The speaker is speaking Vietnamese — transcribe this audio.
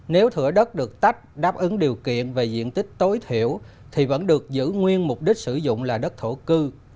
nếu thửa đất được tách đáp ứng điều kiện về diện tích tối thiểu thì vẫn được giữ nguyên mục đích sử dụng là đất thổ cư